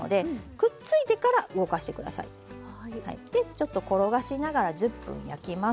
ちょっと転がしながら１０分焼きます。